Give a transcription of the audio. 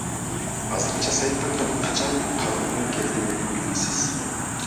Азырынча сайттын качан калыбына келтирилери белгисиз.